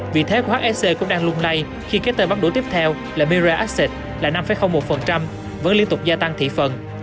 vị thế của hsc cũng đang lung lay khi kết tờ bắt đuổi tiếp theo là mirror asset là năm một vẫn liên tục gia tăng thị phần